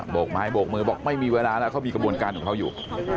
กไม้โบกมือบอกไม่มีเวลาแล้วเขามีกระบวนการของเขาอยู่